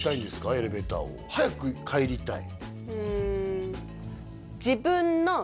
エレベーターを早く帰りたい？